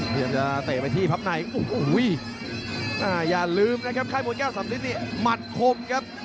พยายามจะเตะไปที่พับในโอ้วอย่าลืมไข่มวยแก้วสำฤิทธิ์มัดคมครับ